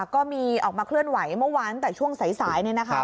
ก็มีออกมาเคลื่อนไหวเมื่อวานตั้งแต่ช่วงสาย